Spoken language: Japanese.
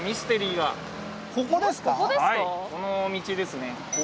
この道ですね。